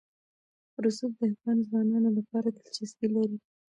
رسوب د افغان ځوانانو لپاره دلچسپي لري.